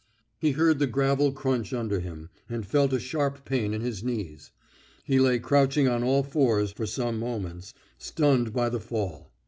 He heard the gravel crunch under him, and felt a sharp pain in his knees. He lay crouching on all fours for some moments, stunned by the fall.